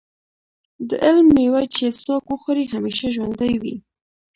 د علم مېوه چې څوک وخوري همیشه ژوندی وي.